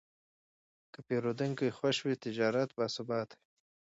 که پیرودونکی خوښ وي، تجارت باثباته وي.